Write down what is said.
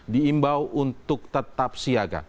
diimbau untuk tetap siaga